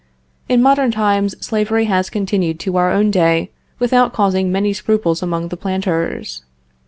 In modern times slavery has continued to our own day without causing many scruples among the planters.